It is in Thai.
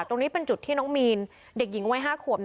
ตรงนี้เป็นจุดที่น้องมีนเด็กหญิงวัย๕ขวบ